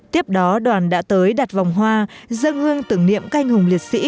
tiếp đó đoàn đã tới đặt vòng hoa dân hương tưởng niệm canh hùng liệt sĩ